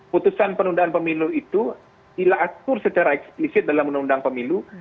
ketujuan penundaan pemilu itu dilatur secara eksplisit dalam menunda pemilu